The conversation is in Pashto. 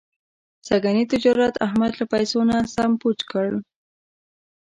سږني تجارت احمد له پیسو نه سم پوچ کړ.